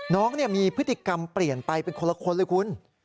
น้องมีพฤติกรรมเปลี่ยนไปเป็นคนละคนเลยคุณ